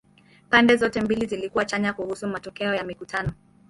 Pande zote mbili zilikuwa chanya kuhusu matokeo ya mikutano.